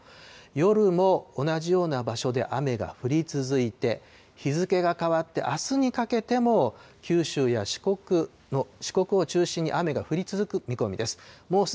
夜も同じような場所で雨が降り続いて、日付が変わってあすにかけても、九州や四国を中心に雨が降り続く見込みです。